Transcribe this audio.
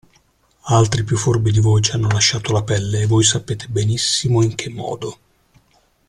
Altri più furbi di voi ci hanno lasciato la pelle e voi sapete benissimo in che modo.